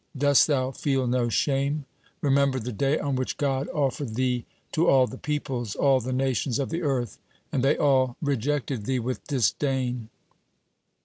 Dost thou feel no shame? Remember the day on which God offered thee to all the peoples, all the nations of the earth, and they all rejected thee with disdain.